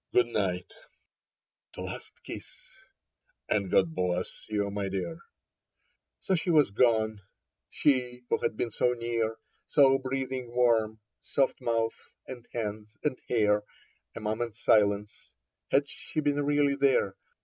" Good night," the last kiss, " and God bless you, my dear." So, she was gone, she who had been so near, So breathing warm — soft mouth and hands and hair — A moment since. Had she been really there.